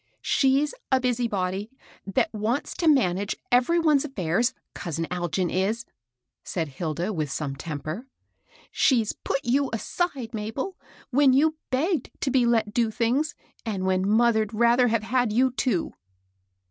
She's a busybody, that wants to manage every one's affairs, — cousin Algin is I " said Hilda, with some temper* *' She's put you aside, Mabel, when you begged to be let do things, and when mother'd rather have had you, too."